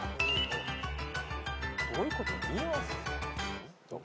どういうこと？